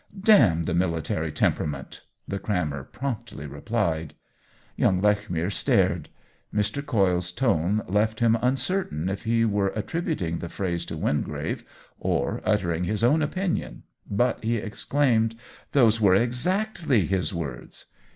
"Damn the military temperament!" the crammer promptly replied. Young Lech mere stared. Mr. Coyle's tone left him uncertain if he were attributing the phrase to Wingrave or uttering his own opinion, but he exclaimed :" Those were exactly his words